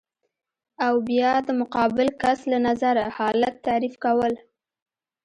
او بیا د مقابل کس له نظره حالت تعریف کول